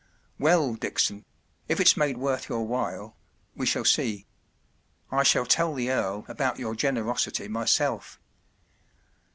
” “ Well, Dickson—if it’s made worth your while—we shall see. I shall tell the Earl about your generosity myself.